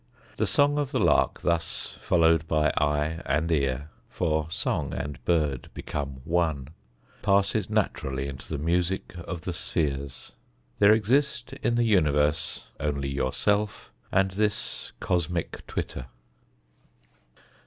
The song of the lark thus followed by eye and ear for song and bird become one passes naturally into the music of the spheres: there exist in the universe only yourself and this cosmic twitter.